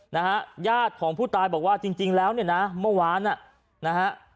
นะฮะญาติของผู้ตายบอกว่าจริงจริงแล้วเนี่ยนะเมื่อวานอ่ะนะฮะ